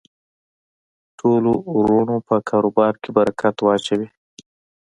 ټولو ورونو په کاربار کی برکت واچوی